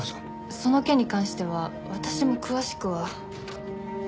その件に関しては私も詳しくは。